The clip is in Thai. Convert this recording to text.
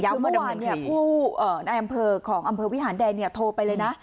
คือเมื่อวานผู้ในอำเภอของอำเภอวิหารแดงโทรไปเลยนะ